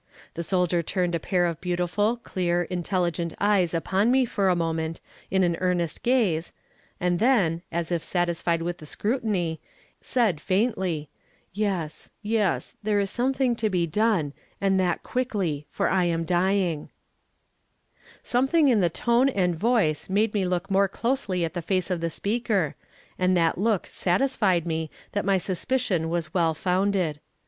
The soldier turned a pair of beautiful, clear, intelligent eyes upon me for a moment in an earnest gaze, and then, as if satisfied with the scrutiny, said faintly: "Yes, yes; there is something to be done, and that quickly, for I am dying." [Illustration: AN INTERESTING PATIENT. Page 271.] Something in the tone and voice made me look more closely at the face of the speaker, and that look satisfied me that my suspicion was well founded.